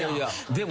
でも。